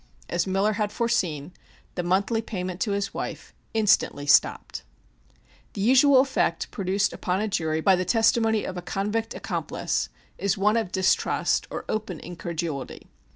As Miller had foreseen, the monthly payment to his wife instantly stopped. The usual effect produced upon a jury by the testimony of a convict accomplice is one of distrust or open incredulity.